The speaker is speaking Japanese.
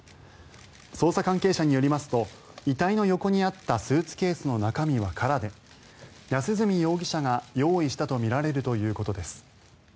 捜査関係者によりますと遺体の横にあったスーツケースの中身は空で安栖容疑者が用意したとみられるということです。